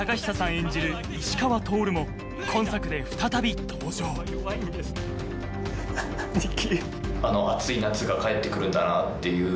演じる石川透も今作で再び登場兄貴。